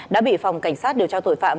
đã bị phòng cảnh sát điều tra tội phạm